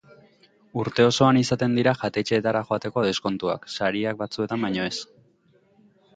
Urte osoan izaten dira jatetxeetara joateko deskontuak; sariak, batzuetan baino ez.